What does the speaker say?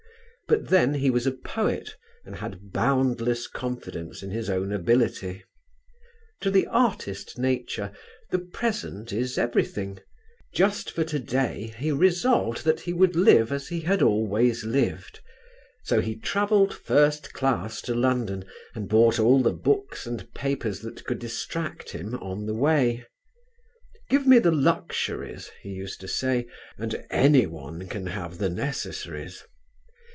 But then he was a poet and had boundless confidence in his own ability. To the artist nature the present is everything; just for to day he resolved that he would live as he had always lived; so he travelled first class to London and bought all the books and papers that could distract him on the way: "Give me the luxuries," he used to say, "and anyone can have the necessaries."